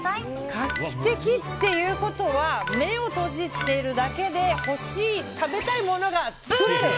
画期的っていうことは目を閉じているだけで食べたいものが作れる！